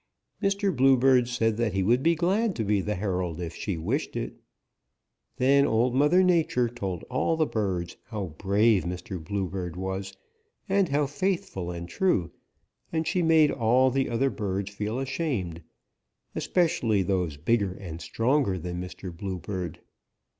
Mr. Bluebird said that he would be glad to be the herald if she wished it. Then Old Mother Nature told all the birds how brave Mr. Bluebird was and how faithful and true, and she made all the other birds feel ashamed, especially those bigger and stronger than Mr. Bluebird.